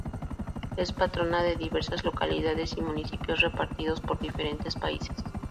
Es patrona de diversas localidades y municipios repartidos por diferentes países.